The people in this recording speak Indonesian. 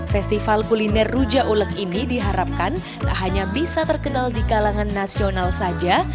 festival kuliner ruja ulek ini diharapkan tak hanya bisa terkenal di kalangan nasional saja